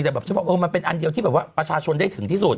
แต่ว่ามันเป็นอันเดียวที่ประชาชนได้ถึงที่สุด